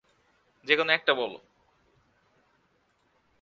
যেকোন একটা বলো।